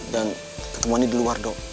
dan ketemuannya di luar dok